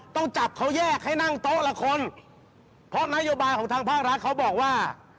ต้องจับเขาแยกให้นั่งโต๊ะละคนเพราะนโยบายของทางภาครัฐเขาบอกว่า